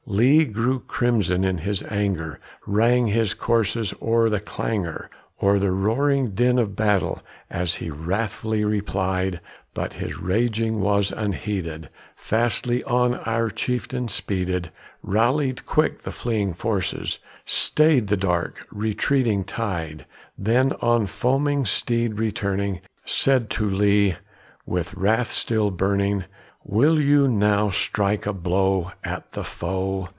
Lee grew crimson in his anger rang his curses o'er the clangor, O'er the roaring din of battle, as he wrathfully replied; But his raging was unheeded; fastly on our chieftain speeded, Rallied quick the fleeing forces, stayed the dark, retreating tide; Then, on foaming steed returning, said to Lee, with wrath still burning, "Will you now strike a blow at the foe?"